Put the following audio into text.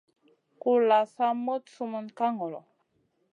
Kulʼla sa moɗ sumun ka ŋolo.